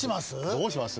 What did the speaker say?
どうします？